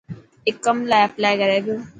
اي ڪم لاءِ اپلائي ڪري پيو.